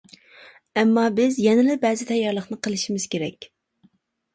ئەمما بىز يەنىلا بەزى تەييارلىقنى قىلىشىمىز كېرەك.